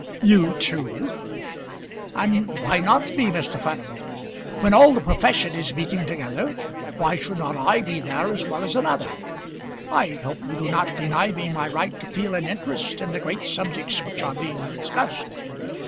"You too!" "And why not me, Mr. Furnival? When all the profession is meeting together, why should not I be there as well as another? I hope you do not deny me my right to feel an interest in the great subjects which are being discussed."